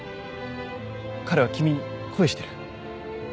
彼は君に恋してる。